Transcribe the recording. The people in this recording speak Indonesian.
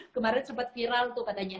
kemarin sempat viral tuh katanya